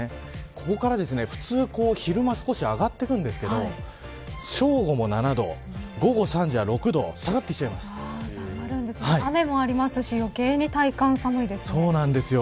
ここから普通、昼間少し上がっていくんですけど正午も７度午後３時は６度雨もありますしそうなんですよ。